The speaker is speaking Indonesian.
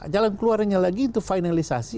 jalan keluarnya lagi untuk finalisasi